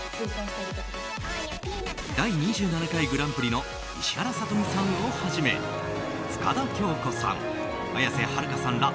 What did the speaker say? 第２７回グランプリの石原さとみさんをはじめ深田恭子さん、綾瀬はるかさんら